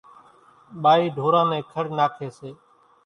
ٻائِي ڍوران نين کڙ ناکيَ سي۔